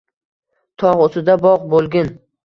Tog‘ ustida bog‘ bo‘lgin.